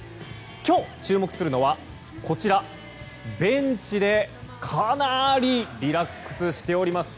今日、注目するのはベンチでかなりリラックスしております。